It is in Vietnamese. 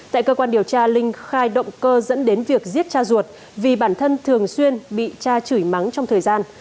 tại cơ quan điều tra linh khai động cơ dẫn đến việc giết cha ruột vì bản thân thường xuyên bị cha chửi mắng trong thời gian